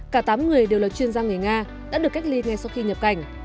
cả tám người đều là chuyên gia người nga đã được cách ly ngay sau khi nhập cảnh